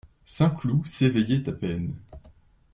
Saint-Cloud s'éveillait à peine.